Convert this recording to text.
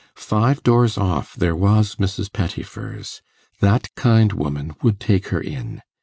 Five doors off there was Mrs. Pettifer's; that kind woman would take her in.